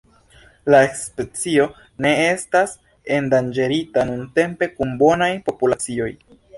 La specio ne estas endanĝerita nuntempe, kun bonaj populacioj.